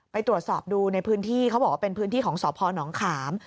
ไปตรวจสอบดูในพื้นที่เขาบอกว่าเป็นพื้นที่ของสพนขาม